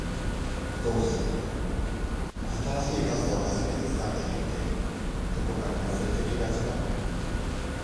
どうしてだろう、新しい傘を初めて使った日って、どこかに忘れてきがちだ。